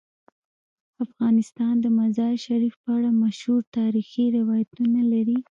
افغانستان د مزارشریف په اړه مشهور تاریخی روایتونه لري.